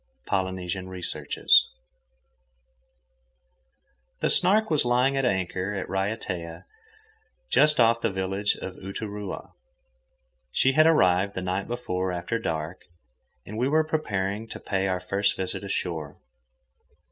—Polynesian Researches. The Snark was lying at anchor at Raiatea, just off the village of Uturoa. She had arrived the night before, after dark, and we were preparing to pay our first visit ashore.